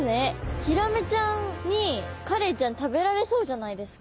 ヒラメちゃんにカレイちゃん食べられそうじゃないですか。